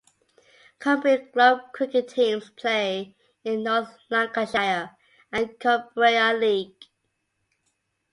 Cumbrian club cricket teams play in the North Lancashire and Cumbria League.